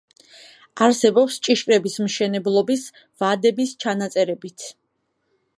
არსებობს ჭიშკრების მშენებლობის ვადების ჩანაწერებიც.